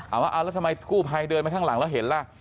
เอาแล้วทำไมกู้ภัยเดินมาข้างหลังแล้วเห็นล่ะ